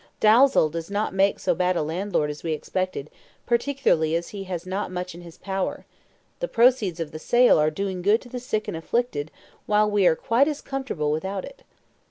"Dalzell does not make so bad a landlord as we expected, particularly as he has not much in his power. The proceeds of the sale are doing good to the sick and afflicted, while we are quite as comfortable without it."